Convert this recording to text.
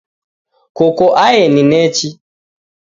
Koko aeni nechi